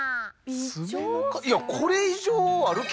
いやこれ以上ある？